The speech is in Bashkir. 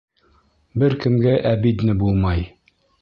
Бер кемгә әбидне булмай.